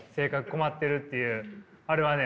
困ってるっていうあれはね